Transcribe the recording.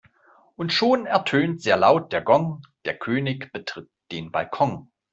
Und schon ertönt sehr laut der Gong, der König betritt den Balkon.